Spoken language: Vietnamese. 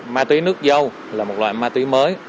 ma túy nước dâu là một loại ma túy mới